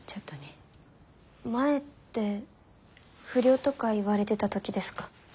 前って不良とか言われてた時ですか？